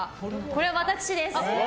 これは私です。